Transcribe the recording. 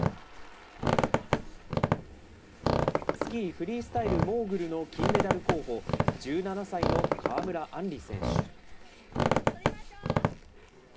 スキーフリースタイルモーグルの金メダル候補、１７歳の川村あんり選手。